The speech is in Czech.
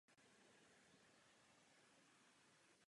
Podobnou cestou šel Dušan Jurkovič.